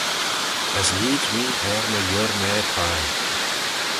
As leeid mee er my yurnaa thie.